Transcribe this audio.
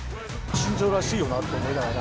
新庄らしいよなと思いながら。